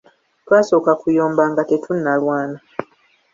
Twasoka kuyomba nga tetunalwana!